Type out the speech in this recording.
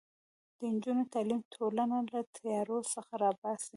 د نجونو تعلیم ټولنه له تیارو څخه راباسي.